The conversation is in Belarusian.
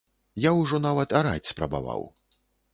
Я ўжо нават араць спрабаваў.